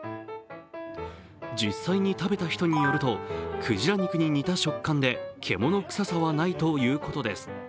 実際に食べた人によると鯨肉に似た食感で獣臭さはないということです。